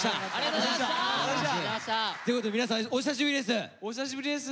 ということで皆さんお久しぶりです。